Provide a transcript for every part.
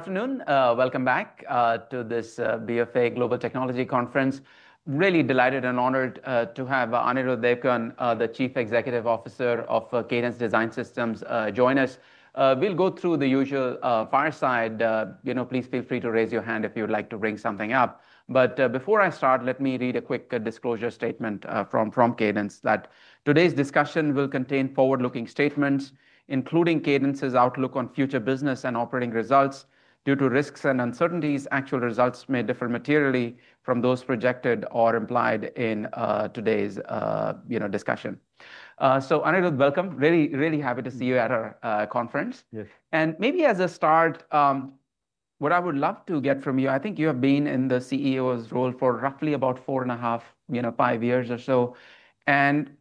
Afternoon. Welcome back to this BofA Global Technology Conference. Really delighted and honored to have Anirudh Devgan, the Chief Executive Officer of Cadence Design Systems, join us. We'll go through the usual fireside. Please feel free to raise your hand if you would like to bring something up. Before I start, let me read a quick disclosure statement from Cadence, that today's discussion will contain forward-looking statements, including Cadence's outlook on future business and operating results. Due to risks and uncertainties, actual results may differ materially from those projected or implied in today's discussion. Anirudh, welcome. Really happy to see you at our conference. Yes. Maybe as a start, what I would love to get from you, I think you have been in the CEO's role for roughly about four and a half, five years or so.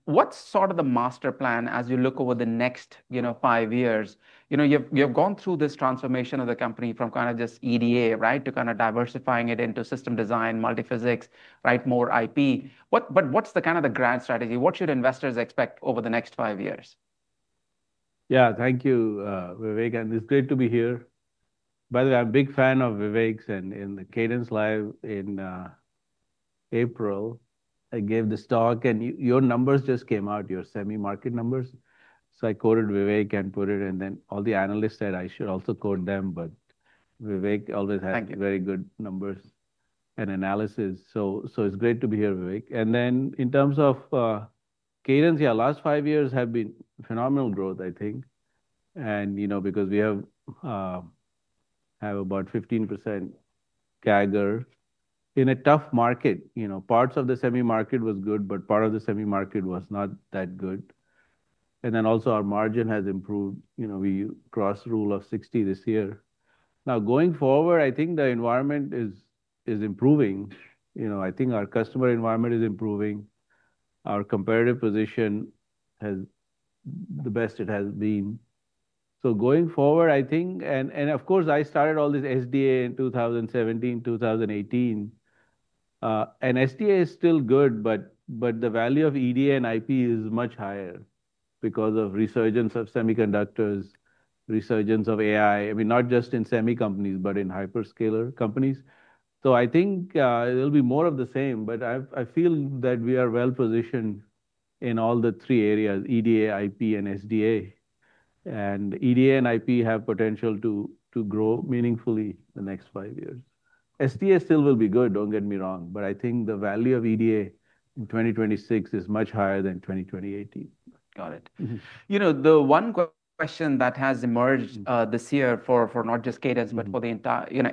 What's sort of the master plan as you look over the next five years? You've gone through this transformation of the company from kind of just EDA, right, to kind of diversifying it into system design, multi-physics, more IP. What's the kind of the grand strategy? What should investors expect over the next five years? Yeah, thank you, Vivek, and it's great to be here. By the way, I'm a big fan of Vivek's, and in the CadenceLIVE in April, I gave this talk, and your numbers just came out, your semi-market numbers, so I quoted Vivek and put it, and then all the analysts said I should also quote them. Thank you. Very good numbers and analysis. It's great to be here, Vivek. In terms of Cadence, yeah, last five years have been phenomenal growth, I think, and because we have about 15% CAGR in a tough market. Parts of the semi market was good, but part of the semi market was not that good. Also, our margin has improved. We crossed rule of 60 this year. Going forward, I think the environment is improving. I think our customer environment is improving. Our competitive position the best it has been. Going forward, I think, and of course, I started all this SDA in 2017, 2018. SDA is still good, but the value of EDA and IP is much higher because of resurgence of semiconductors, resurgence of AI. Not just in semi companies, but in hyperscaler companies. I think it'll be more of the same, but I feel that we are well-positioned in all the three areas, EDA, IP, and SDA. EDA and IP have potential to grow meaningfully the next five years. SDA still will be good, don't get me wrong, but I think the value of EDA in 2026 is much higher than 2018. Got it. The one question that has emerged this year for not just Cadence, but for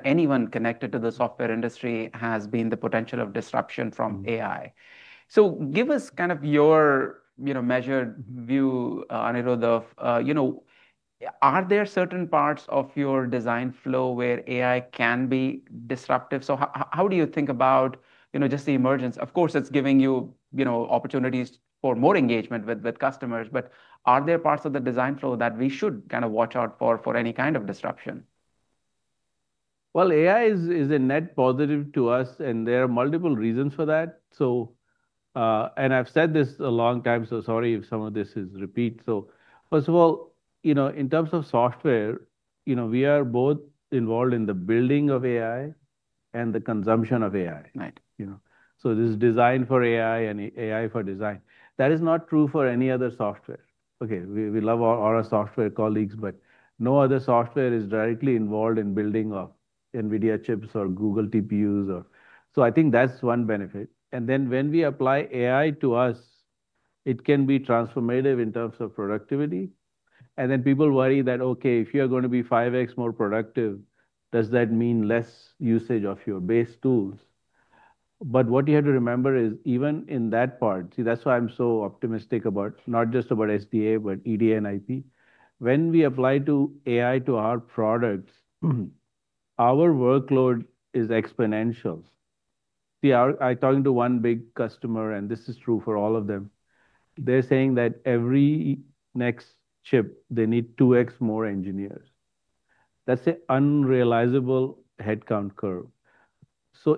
anyone connected to the software industry, has been the potential of disruption from AI. Give us kind of your measured view, Anirudh, of are there certain parts of your design flow where AI can be disruptive? How do you think about just the emergence? Of course, it's giving you opportunities for more engagement with customers, but are there parts of the design flow that we should kind of watch out for any kind of disruption? Well, AI is a net positive to us, and there are multiple reasons for that. I've said this a long time, so sorry if some of this is repeat. First of all, in terms of software, we are both involved in the building of AI and the consumption of AI. Right. This is designed for AI and AI for design. That is not true for any other software. Okay. We love all our software colleagues, no other software is directly involved in building Nvidia chips or Google TPUs. I think that's one benefit. When we apply AI to us, it can be transformative in terms of productivity, then people worry that, okay, if you are going to be 5x more productive, does that mean less usage of your base tools? What you have to remember is even in that part. See, that's why I'm so optimistic about not just about SDA, but EDA and IP. When we apply AI to our products, our workload is exponentials. See, I talked to one big customer, and this is true for all of them. They're saying that every next chip, they need 2x more engineers. That's an unrealizable headcount curve.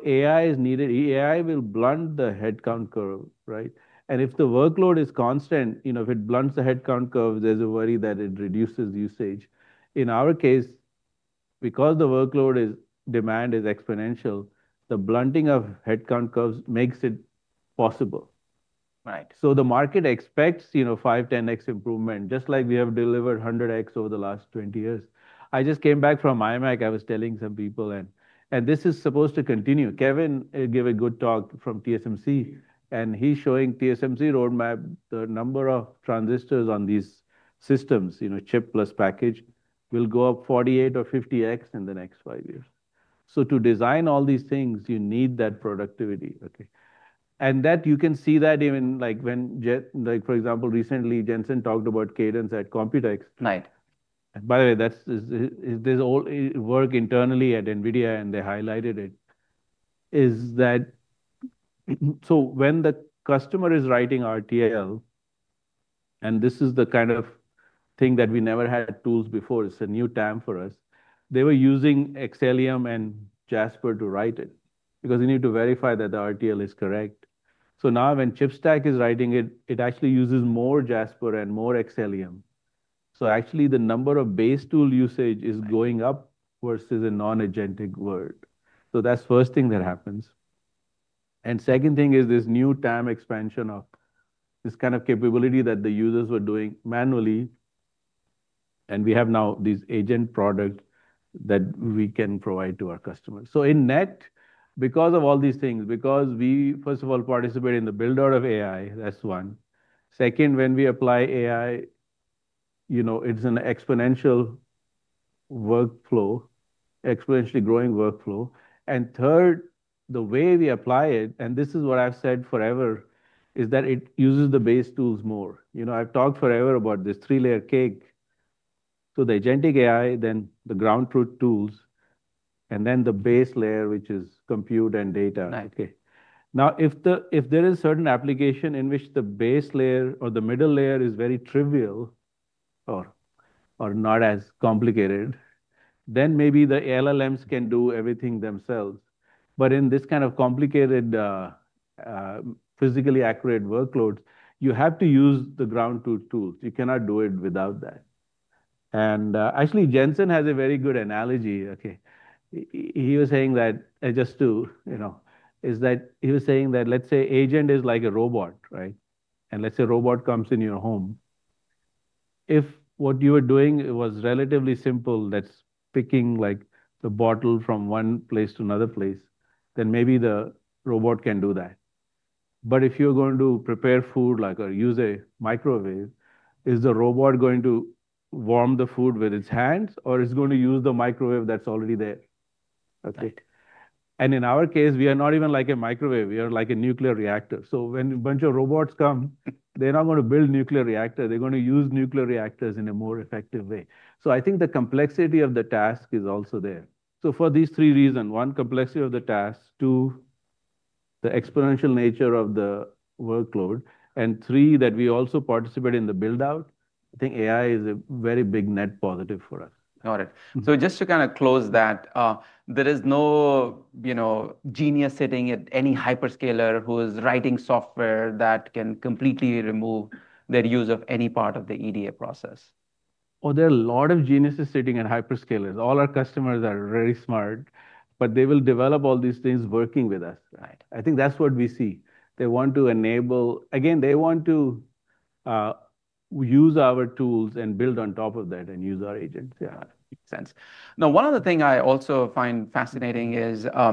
AI is needed. AI will blunt the headcount curve, right? If the workload is constant, if it blunts the headcount curve, there's a worry that it reduces usage. In our case, because the workload demand is exponential, the blunting of headcount curves makes it possible. Right. The market expects 5x, 10x improvement, just like we have delivered 100x over the last 20 years. I just came back from Imec Technology Forum, I was telling some people. This is supposed to continue. Kevin gave a good talk from TSMC. He's showing TSMC roadmap, the number of transistors on these systems, chip plus package, will go up 48x or 50x in the next five years. To design all these things, you need that productivity, okay? That you can see that even when, for example, recently Jensen talked about Cadence at Computex. Right. By the way, this all work internally at Nvidia, and they highlighted it. When the customer is writing RTL, and this is the kind of thing that we never had tools before, it's a new time for us. They were using Xcelium and Jasper to write it because they need to verify that the RTL is correct. Now when ChipStack is writing it actually uses more Jasper and more Xcelium. Actually, the number of base tool usage is going up versus a non-agentic world. That's first thing that happens. Second thing is this new TAM expansion of this kind of capability that the users were doing manually, and we have now this agent product that we can provide to our customers. In net, because of all these things, because we, first of all, participate in the build-out of AI, that's one. Second, when we apply AI, it's an exponentially growing workflow. Third, the way we apply it, and this is what I've said forever, is that it uses the base tools more. I've talked forever about this three-layer cake. The agentic AI, then the ground truth tools, and then the base layer, which is compute and data. Right. If there is certain application in which the base layer or the middle layer is very trivial or not as complicated, then maybe the LLMs can do everything themselves. In this kind of complicated, physically accurate workloads, you have to use the ground truth tools. You cannot do it without that. Actually, Jensen has a very good analogy. He was saying that, let's say agent is like a robot, right? Let's say a robot comes in your home. If what you were doing was relatively simple, that's picking the bottle from one place to another place, then maybe the robot can do that. If you're going to prepare food or use a microwave, is the robot going to warm the food with its hands or it's going to use the microwave that's already there? Right. In our case, we are not even like a microwave, we are like a nuclear reactor. When a bunch of robots come, they're not going to build nuclear reactor, they're going to use nuclear reactors in a more effective way. I think the complexity of the task is also there. For these three reasons, one, complexity of the task, two, the exponential nature of the workload, and three, that we also participate in the build-out, I think AI is a very big net positive for us. Got it. Just to close that, there is no genius sitting at any hyperscaler who is writing software that can completely remove their use of any part of the EDA process. There are a lot of geniuses sitting at hyperscalers. All our customers are very smart, but they will develop all these things working with us. Right. I think that's what we see. Again, they want to use our tools and build on top of that and use our agents. Yeah. Makes sense. Now, one other thing I also find fascinating is, at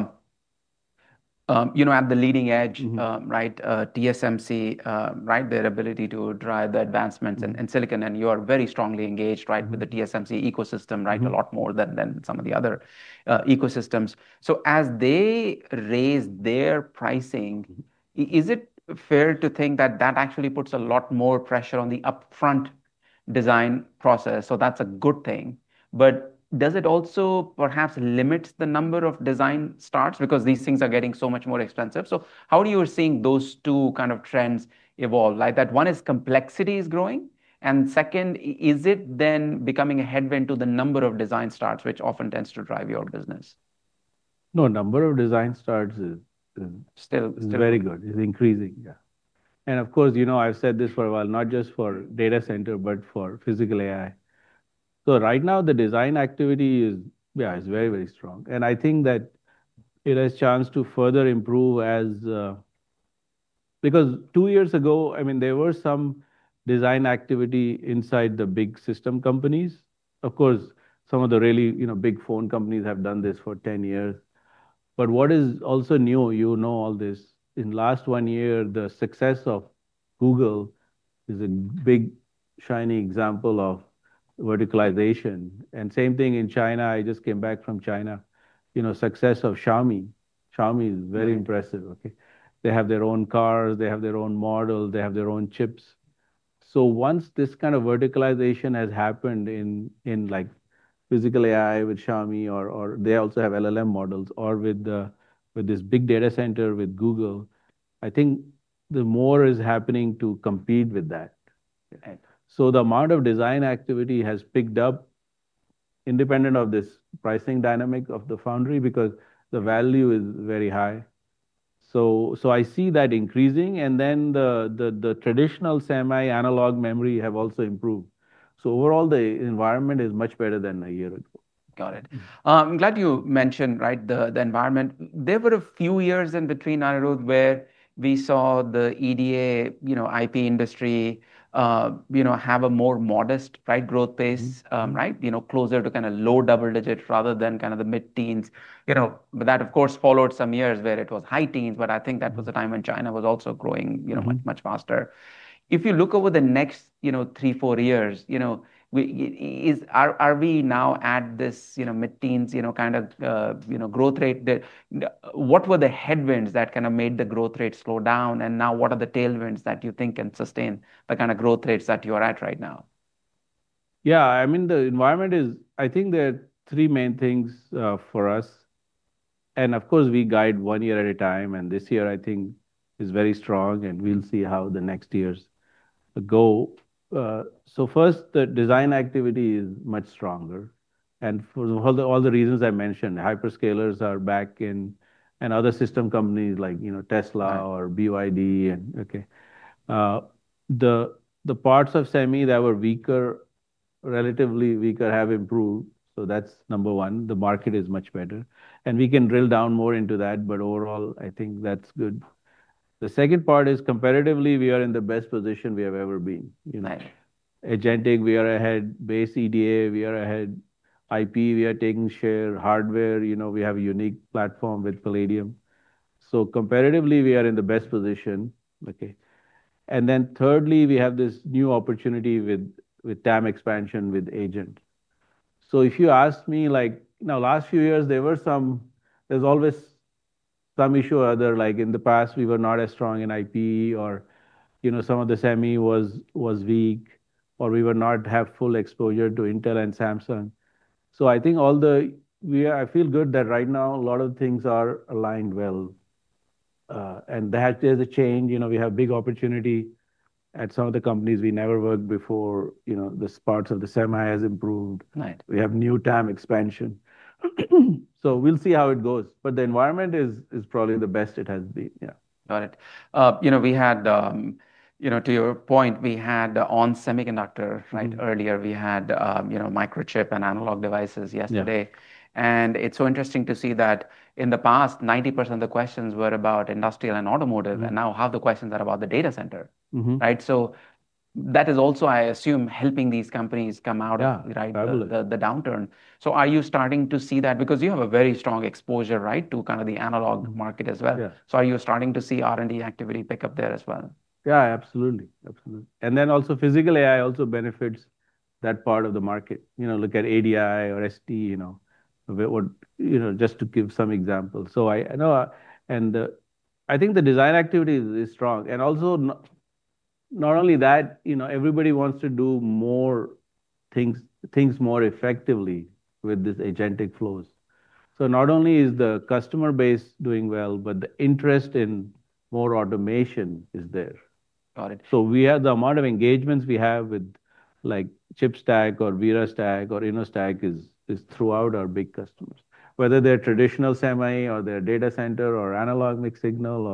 the leading edge. TSMC, their ability to drive the advancements in silicon, and you are very strongly engaged with the TSMC ecosystem. Right. A lot more than some of the other ecosystems. As they raise their pricing, is it fair to think that that actually puts a lot more pressure on the upfront design process? That's a good thing, but does it also perhaps limit the number of design starts because these things are getting so much more expensive? How are you seeing those two trends evolve, like that one is complexity is growing, and second, is it then becoming a headwind to the number of design starts, which often tends to drive your business? No, number of design starts. Still. Very good. Is increasing. Yeah. Of course, I've said this for a while, not just for data center, but for physical AI. Right now the design activity is very strong, and I think that it has chance to further improve. Because two years ago, there were some design activity inside the big system companies. Of course, some of the really big phone companies have done this for 10 years. What is also new, you know all this, in last one year, the success of Google is a big shiny example of verticalization. Same thing in China. I just came back from China. Success of Xiaomi. Xiaomi is very impressive. Okay. They have their own cars, they have their own model, they have their own chips. Once this kind of verticalization has happened in physical AI with Xiaomi or they also have LLM models or with this big data center with Google, I think the more is happening to compete with that. Okay. The amount of design activity has picked up independent of this pricing dynamic of the foundry because the value is very high. I see that increasing and then the traditional semi analog memory have also improved. Overall the environment is much better than a year ago. Got it. I'm glad you mentioned the environment. There were a few years in between, Anirudh, where we saw the EDA IP industry have a more modest growth pace. Closer to low double digit rather than the mid-teens. That of course followed some years where it was high teens, but I think that was a time when China was also growing much faster. If you look over the next three, four years, are we now at this mid-teens kind of growth rate? What were the headwinds that made the growth rate slow down and now what are the tailwinds that you think can sustain the kind of growth rates that you are at right now? Yeah, the environment is I think there are three main things for us, and of course we guide one year at a time and this year I think is very strong and we'll see how the next years go. First, the design activity is much stronger. For all the reasons I mentioned, hyperscalers are back in, and other system companies like Tesla. Right. BYD. The parts of semi that were weaker, relatively weaker, have improved. That's number one, the market is much better. We can drill down more into that, but overall, I think that's good. The second part is competitively, we are in the best position we have ever been. Right. Agentic, we are ahead. Base EDA, we are ahead. IP, we are taking share. Hardware, we have a unique platform with Palladium. Comparatively, we are in the best position. Okay. Thirdly, we have this new opportunity with TAM expansion with agent. If you ask me, last few years there's always some issue or other, like in the past, we were not as strong in IP or some of the semi was weak, or we would not have full exposure to Intel and Samsung. I feel good that right now a lot of things are aligned well, and that there's a change. We have big opportunity at some of the companies we never worked before. This part of the semi has improved. Right. We have new TAM expansion. We'll see how it goes, but the environment is probably the best it has been. Yeah. Got it. To your point, we had onsemi, right? Earlier, we had Microchip and Analog Devices yesterday. Yeah. It's so interesting to see that in the past, 90% of the questions were about industrial and automotive. Now half the questions are about the data center. That is also, I assume, helping these companies come out of- Yeah. Absolutely. The downturn. Are you starting to see that? Because you have a very strong exposure to the analog market as well. Yeah. Are you starting to see R&D activity pick up there as well? Absolutely. Also physical AI also benefits that part of the market. Look at ADI or NXP, just to give some examples. I think the design activity is strong, and also not only that, everybody wants to do more things more effectively with these agentic flows. Not only is the customer base doing well, but the interest in more automation is there. Got it. The amount of engagements we have with ChipStack or ViraStack or InnoStack is throughout our big customers. Whether they're traditional semi or they're data center or analog mixed signal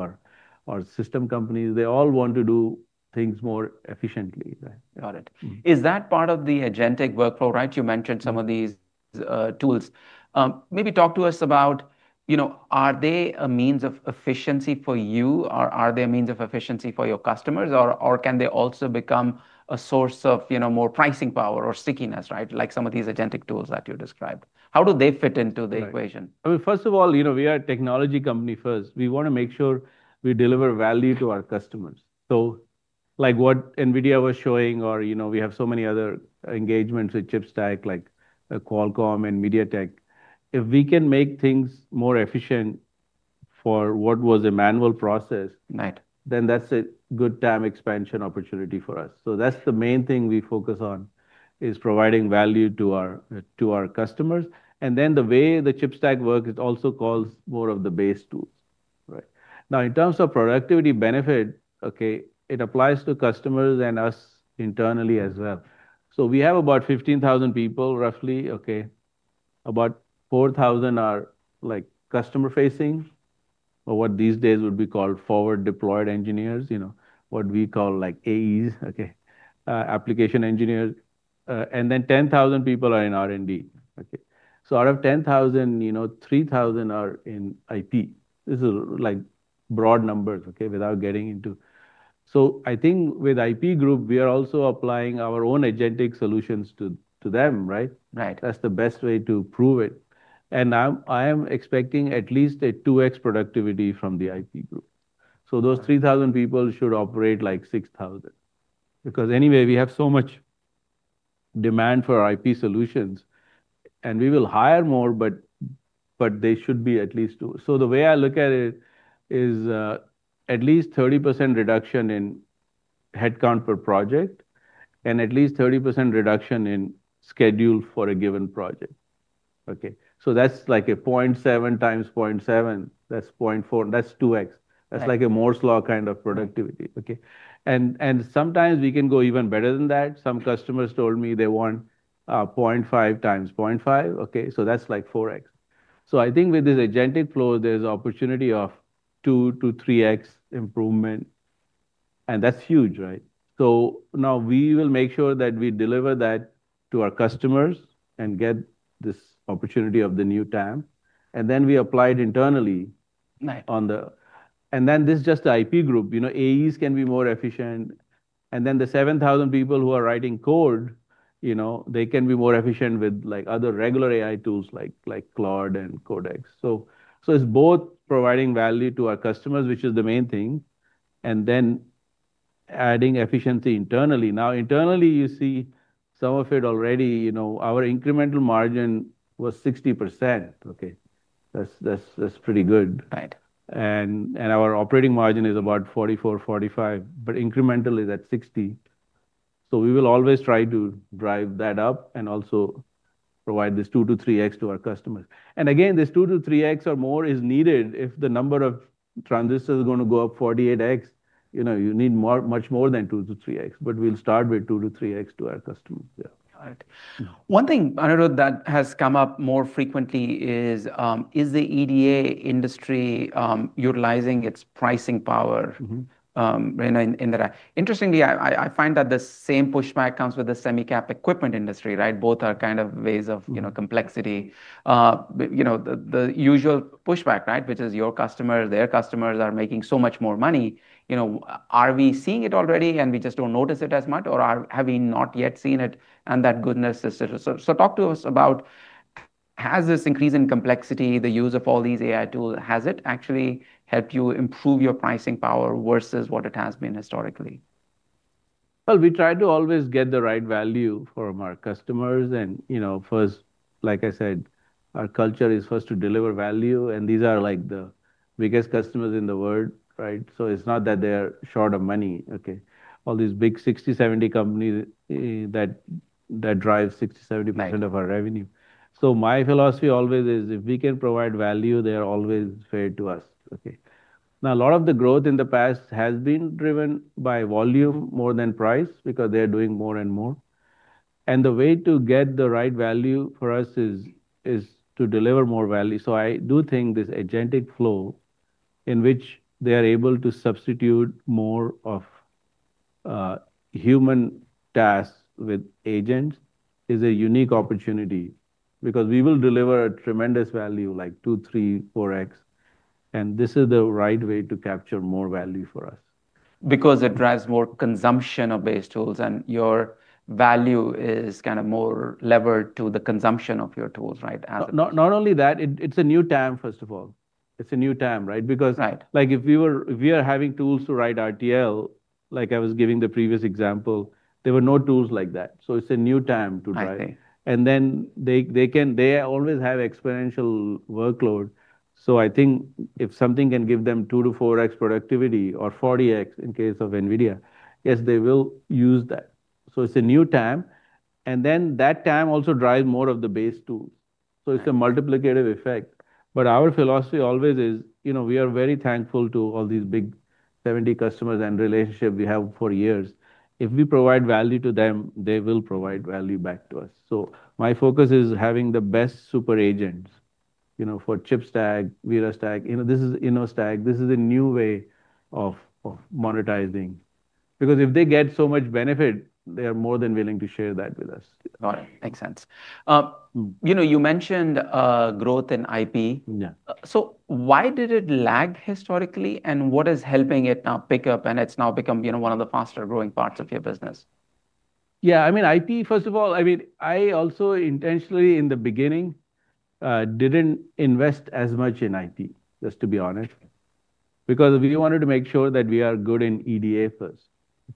or system companies, they all want to do things more efficiently. Got it. Is that part of the agentic workflow, right? You mentioned some of these tools. Maybe talk to us about are they a means of efficiency for you or are they a means of efficiency for your customers? Or can they also become a source of more pricing power or stickiness, like some of these agentic tools that you described? How do they fit into the equation? Right. First of all, we are a technology company first. We want to make sure we deliver value to our customers. Like what Nvidia was showing, or we have so many other engagements with ChipStack, like Qualcomm and MediaTek. If we can make things more efficient for what was a manual process. Right. That's a good TAM expansion opportunity for us. That's the main thing we focus on is providing value to our customers, and then the way the ChipStack works, it also calls more of the base tools. Right. In terms of productivity benefit, it applies to customers and us internally as well. We have about 15,000 people roughly, okay. About 4,000 are customer-facing, or what these days would be called forward-deployed engineers. What we call AEs, application engineers. 10,000 people are in R&D. Out of 10,000, 3,000 are in IP. This is broad numbers. I think with IP group, we are also applying our own agentic solutions to them. Right. That's the best way to prove it. I am expecting at least a 2X productivity from the IP group. Those 3,000 people should operate like 6,000, because anyway, we have so much demand for our IP solutions, and we will hire more, but they should be at least two. The way I look at it is at least 30% reduction in headcount per project, and at least 30% reduction in schedule for a given project. That's like a 0.7x0.7. That's 0.4, and that's 2x. Right. That's like a Moore's law kind of productivity. Sometimes we can go even better than that. Some customers told me they want 0.5x0.5. That's like 4x. I think with this agentic flow, there's opportunity of 2 to 3x improvement, and that's huge. Now we will make sure that we deliver that to our customers and get this opportunity of the new TAM, and then we apply it internally- Right. This is just the IP group. AEs can be more efficient. The 7,000 people who are writing code, they can be more efficient with other regular AI tools like Claude and Codex. It's both providing value to our customers, which is the main thing, and then adding efficiency internally. Internally, you see some of it already. Our incremental margin was 60%. That's pretty good. Right. Our operating margin is about 44%-45%, but incremental is at 60%. We will always try to drive that up and also provide this 2x-3x to our customers. Again, this 2x-3x or more is needed if the number of transistors are going to go up 48x, you need much more than 2x-3x, but we'll start with 2x-3x to our customers. Yeah. Got it. One thing, Anirudh, that has come up more frequently is the EDA industry utilizing its pricing power? Interestingly, I find that the same pushback comes with the semi cap equipment industry, right? Both are ways of complexity. The usual pushback, which is your customer, their customers are making so much more money. Are we seeing it already and we just don't notice it as much, or have we not yet seen it? Talk to us about, has this increase in complexity, the use of all these AI tools, has it actually helped you improve your pricing power versus what it has been historically? Well, we try to always get the right value from our customers and, first, like I said, our culture is first to deliver value, and these are the biggest customers in the world, right? It's not that they're short of money. All these big 60, 70 companies that drive 60, 70%. Right Our revenue. My philosophy always is if we can provide value, they are always fair to us. Okay. A lot of the growth in the past has been driven by volume more than price because they're doing more and more. The way to get the right value for us is to deliver more value. I do think this agentic flow in which they are able to substitute more of human tasks with agents is a unique opportunity because we will deliver a tremendous value, like 2x, 3x, 4x, and this is the right way to capture more value for us. It drives more consumption of base tools and your value is more levered to the consumption of your tools, right? Not only that, it's a new TAM, first of all. It's a new TAM. Right. If we are having tools to write RTL, like I was giving the previous example, there were no tools like that. It's a new TAM to drive. I see. They always have exponential workload. I think if something can give them 2-4x productivity or 40x in case of Nvidia, yes, they will use that. It's a new TAM, that TAM also drives more of the base tools. It's a multiplicative effect. Our philosophy always is, we are very thankful to all these big 70 customers and relationship we have for years. If we provide value to them, they will provide value back to us. My focus is having the best super agents, for ChipStack, ViraStack, InnoStack. This is a new way of monetizing because if they get so much benefit, they are more than willing to share that with us. Got it. Makes sense. You mentioned growth in IP. Yeah. Why did it lag historically and what is helping it now pick up and it's now become one of the faster-growing parts of your business? Yeah. IP, first of all, I also intentionally in the beginning, didn't invest as much in IP, just to be honest, because we wanted to make sure that we are good in EDA first.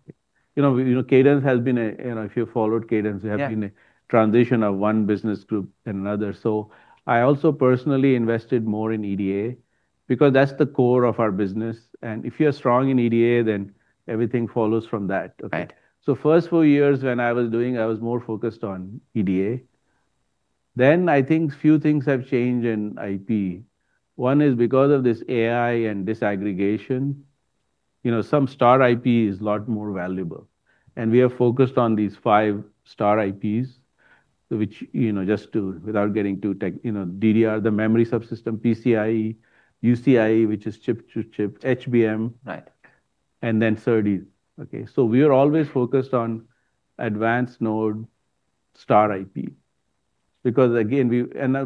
Yeah. We have been a transition of one business to another. I also personally invested more in EDA because that's the core of our business. If you're strong in EDA, then everything follows from that. Right. First four years when I was doing, I was more focused on EDA. I think few things have changed in IP. One is because of this AI and disaggregation, some star IP is a lot more valuable. We are focused on these five star IPs, which just to, without getting too tech, DDR, the memory subsystem, PCIe, UCIe, which is chip-to-chip, HBM. Right. Then SerDes. Okay. We are always focused on advanced node star IP. Because again,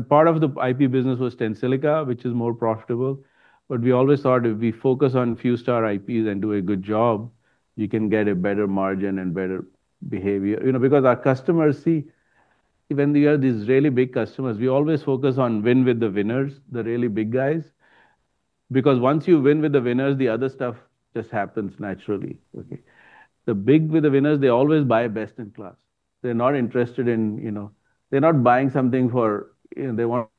part of the IP business was Tensilica, which is more profitable. We always thought if we focus on few star IPs and do a good job, you can get a better margin and better behavior. Because our customers, see, even they are these really big customers, we always focus on win with the winners, the really big guys, because once you win with the winners, The other stuff just happens naturally. Okay. The big with the winners, they always buy best in class. They're not interested in. They're not buying something for. They want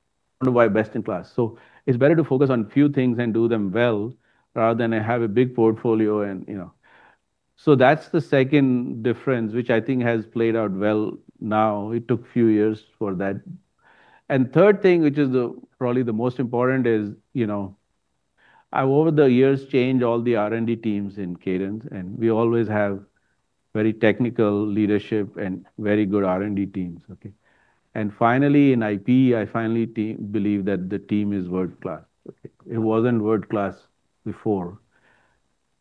to buy best in class. It's better to focus on few things and do them well rather than have a big portfolio. That's the second difference, which I think has played out well now. It took few years for that. Third thing, which is probably the most important, is I, over the years, changed all the R&D teams in Cadence, and we always have very technical leadership and very good R&D teams. Finally, in IP, I finally believe that the team is world-class. It wasn't world-class before.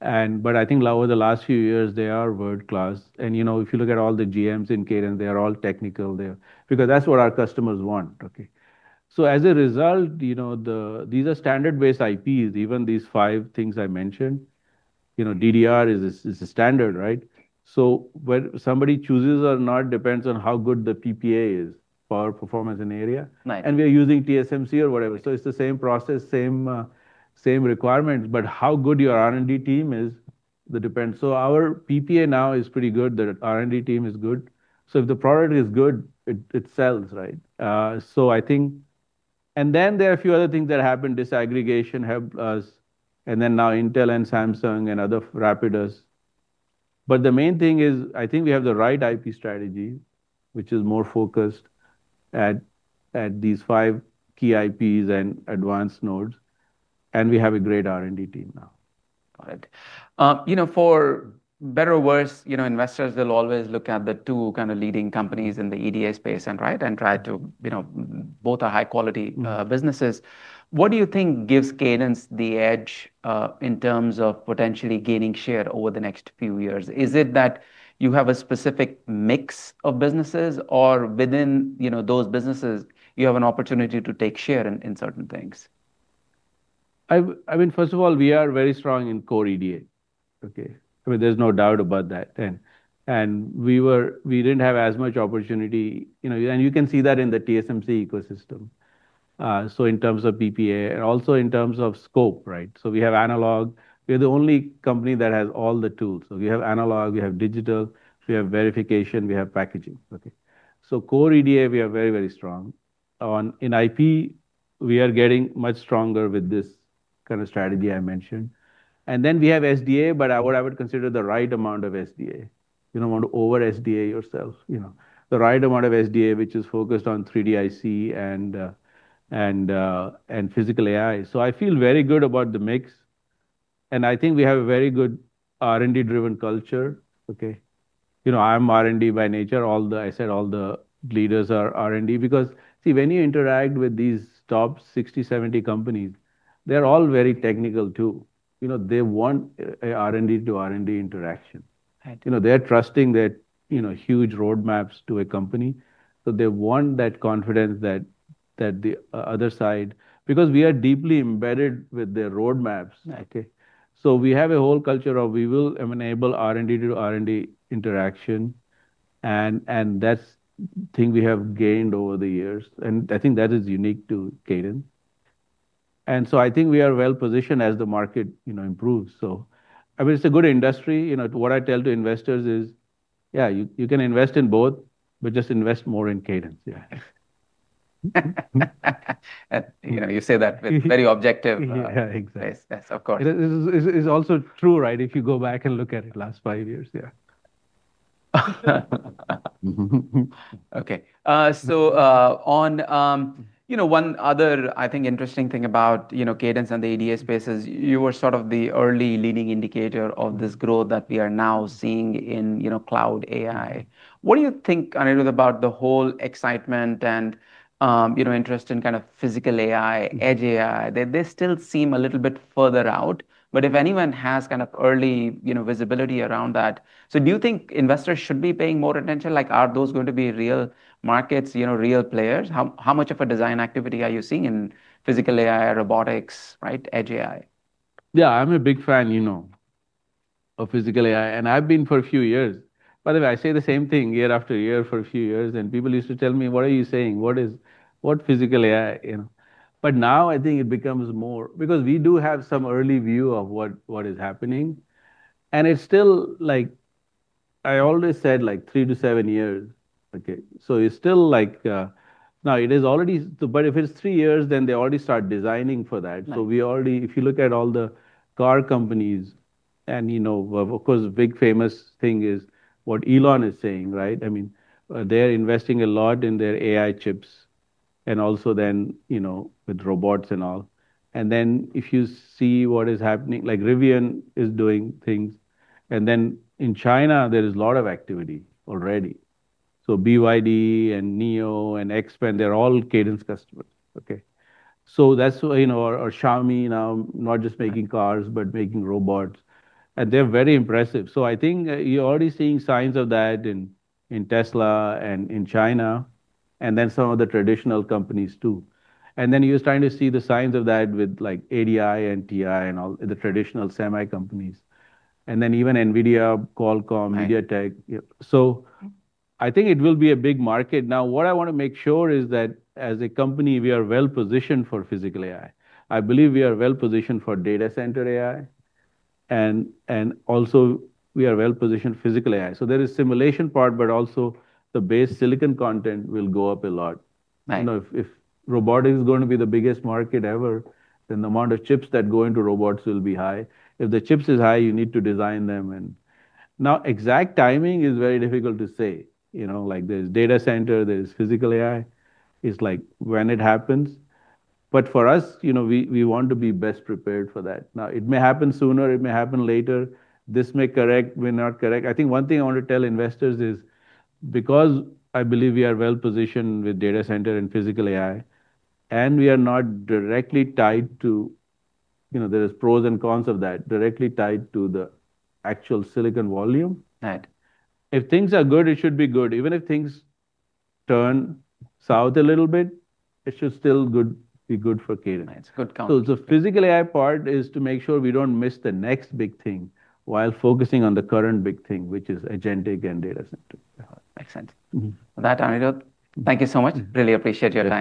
I think over the last few years they are world-class. If you look at all the GMs in Cadence, they are all technical there, because that's what our customers want. As a result, these are standard base IPs, even these five things I mentioned. DDR is a standard, right? Whether somebody chooses or not depends on how good the PPA is, Power, Performance, and Area. Nice. We are using TSMC or whatever. It's the same process, same requirements, but how good your R&D team is, that depends. Our PPA now is pretty good. The R&D team is good. If the product is good, it sells, right? I think there are a few other things that happened, disaggregation helped us, then now Intel and Samsung and other, Rapidus. The main thing is, I think we have the right IP strategy, which is more focused at these five key IPs and advanced nodes, and we have a great R&D team now. Got it. For better or worse, investors will always look at the two leading companies in the EDA space. Both are high-quality businesses. What do you think gives Cadence the edge in terms of potentially gaining share over the next few years? Is it that you have a specific mix of businesses or within those businesses you have an opportunity to take share in certain things? First of all, we are very strong in core EDA. Okay. There's no doubt about that then. We didn't have as much opportunity, and you can see that in the TSMC ecosystem. In terms of PPA and also in terms of scope. We have analog. We are the only company that has all the tools. We have analog, we have digital, we have verification, we have packaging. Okay. Core EDA, we are very strong. In IP, we are getting much stronger with this kind of strategy I mentioned. We have SDA, but what I would consider the right amount of SDA. You don't want to over-SDA yourself. The right amount of SDA, which is focused on 3D IC and physical AI. I feel very good about the mix, and I think we have a very good R&D-driven culture. Okay. I'm R&D by nature. I said all the leaders are R&D because, see, when you interact with these top 60, 70 companies, they're all very technical too. They want a R&D to R&D interaction. Right. They're trusting their huge roadmaps to a company, they want that confidence that the other side. Because we are deeply embedded with their roadmaps. Right. Okay. We have a whole culture of we will enable R&D to R&D interaction and that's thing we have gained over the years, and I think that is unique to Cadence. I think we are well-positioned as the market improves. It's a good industry. What I tell to investors is, "Yeah, you can invest in both, but just invest more in Cadence." Yeah. You say that with very. Yeah. Exactly. Bias. Yes, of course. It's also true, right? If you go back and look at the last five years. Yeah. Okay. One other I think interesting thing about Cadence and the EDA space is you were sort of the early leading indicator of this growth that we are now seeing in cloud AI. What do you think, Anirudh, about the whole excitement and interest in kind of physical AI, edge AI? They still seem a little bit further out, but if anyone has early visibility around that. Do you think investors should be paying more attention? Are those going to be real markets, real players? How much of a design activity are you seeing in physical AI, robotics, edge AI? Yeah. I'm a big fan of physical AI, and I've been for a few years. I say the same thing year after year for a few years, people used to tell me, "What are you saying? What physical AI?" Now I think it becomes more, because we do have some early view of what is happening, it's still, like I always said, three to seven years. Okay. Now, it is already. If it is three years, they already start designing for that. Right. If you look at all the car companies and, of course, big famous thing is what Elon is saying, right? They're investing a lot in their AI chips and also then, with robots and all. If you see what is happening, like Rivian is doing things, and then in China, there is a lot of activity already. BYD and NIO and XPeng, they're all Cadence customers. Okay. Xiaomi now, not just making cars, but making robots, and they're very impressive. I think you're already seeing signs of that in Tesla and in China and then some of the traditional companies, too. You're starting to see the signs of that with ADI, NXP, and all the traditional semi companies, and then even Nvidia, Qualcomm. Right. MediaTek. Yep. I think it will be a big market. Now, what I want to make sure is that as a company, we are well-positioned for physical AI. I believe we are well-positioned for data center AI, and also we are well-positioned physical AI. There is simulation part, but also the base silicon content will go up a lot. Right. If robotics is going to be the biggest market ever, then the amount of chips that go into robots will be high. If the chips is high, you need to design them and Now, exact timing is very difficult to say. There's data center, there's physical AI. It's like when it happens. For us, we want to be best prepared for that. Now, it may happen sooner, it may happen later. This may correct, may not correct. I think one thing I want to tell investors is because I believe we are well-positioned with data center and physical AI, and we are not directly tied to, there is pros and cons of that, directly tied to the actual silicon volume. Right. If things are good, it should be good. Even if things turn south a little bit, it should still be good for Cadence. It's good counter. The physical AI part is to make sure we don't miss the next big thing while focusing on the current big thing, which is agentic and data center. Makes sense. With that, Anirudh, thank you so much. Really appreciate your time.